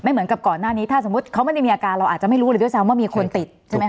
เหมือนกับก่อนหน้านี้ถ้าสมมุติเขาไม่ได้มีอาการเราอาจจะไม่รู้เลยด้วยซ้ำว่ามีคนติดใช่ไหมค